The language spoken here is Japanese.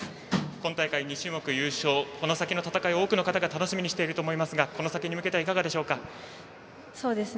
今大会２種目優勝で、この先も多くの方が楽しみにしていると思いますがこの先に向けていかがでしょうか？